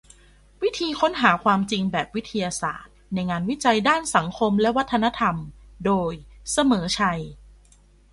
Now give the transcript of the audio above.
วิธีค้นหาความจริงแบบวิทยาศาสตร์ในงานวิจัยด้านสังคมและวัฒนธรรม โดย เสมอชัย